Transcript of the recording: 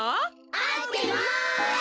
あってます。